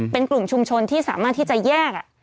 เป็นกลุ่มชุมชนที่สามารถที่จะแยก